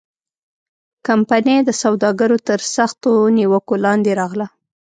کمپنۍ د سوداګرو تر سختو نیوکو لاندې راغله.